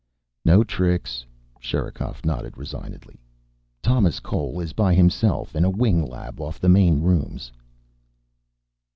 "No tricks." Sherikov nodded resignedly. "Thomas Cole is by himself. In a wing lab off the main rooms."